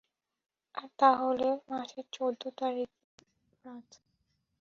আর তাহলো মাসের চৌদ্দ তারিখের রাত।